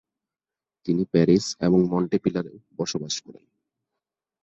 তিনি প্যারিস এবং মন্টেপিলার-এও বসবাস করেন।